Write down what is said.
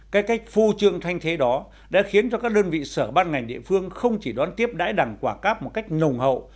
cái cách phô trương thanh thế đó đã khiến cho các đơn vị sở ban ngành địa phương không chỉ đón tiếp đãi đằng quả cáp một cách nồng hậu